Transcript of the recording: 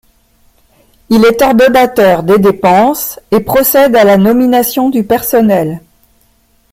Il est ordonnateur des dépenses et procède à la nomination du personnel.